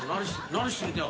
何してんだよ？